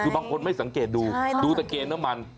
คือบางคนไม่สังเกตดูดูตะเกณฑ์น้ำมัน